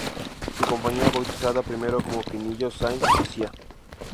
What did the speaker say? Su compañía, bautizada primero como "Pinillos, Sáenz y Cia.